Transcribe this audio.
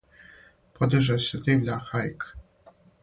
Подиже се дивља хајка